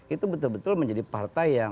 itu betul betul menjadi partai yang